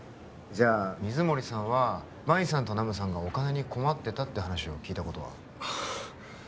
じゃあ水森さんはマイさんとナムさんがお金に困ってたって話を聞いたことは？